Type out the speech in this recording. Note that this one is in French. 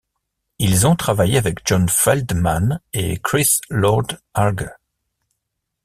Ils ont travaillé avec John Feldmann et Chris Lord-Alge.